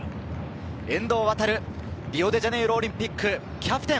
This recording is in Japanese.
遠藤航、リオデジャネイロオリンピックキャプテン。